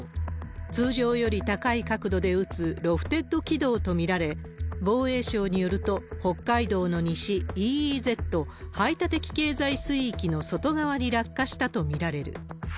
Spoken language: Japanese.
通常より高い角度で打つロフテッド軌道と見られ、防衛省によると、北海道の西、ＥＥＺ・排他的経済水域の外側に落下したと見られる。